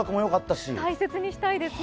大切にしたいです。